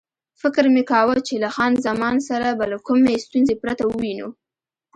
فکر مې کاوه چې له خان زمان سره به له کومې ستونزې پرته ووینو.